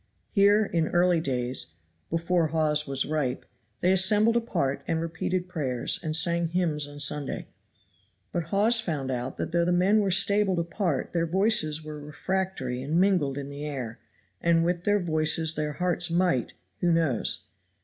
Here, in early days, before Hawes was ripe, they assembled apart and repeated prayers, and sang hymns on Sunday. But Hawes found out that though the men were stabled apart their voices were refractory and mingled in the air, and with their voices their hearts might, who knows?